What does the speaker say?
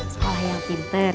sekolah yang pinter ya